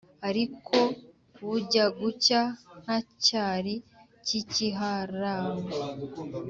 ariko bujya gucya, nta cyari kikiharangwa.